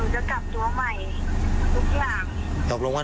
ถ้าหนูขอโทษพี่พี่หนูจะโอนตามคืนให้